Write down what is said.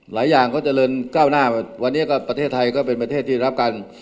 หลายอย่างก็เจริญก้าวหน้าวันนี้ก็ประเทศไทยก็เป็นประเทศที่รับกัน